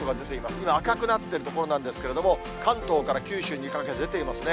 この赤くなっている所なんですけれども、関東から九州にかけて出ていますね。